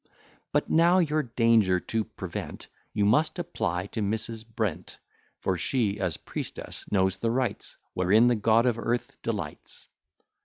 But now, your danger to prevent, You must apply to Mrs. Brent; For she, as priestess, knows the rites Wherein the god of earth delights.